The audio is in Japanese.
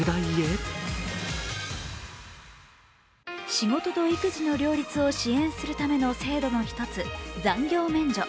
仕事と育児の両立を支援するための制度の一つ残業免除。